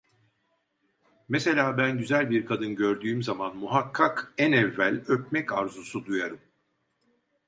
Mesela ben güzel bir kadın gördüğüm zaman muhakkak en evvel öpmek arzusu duyarım.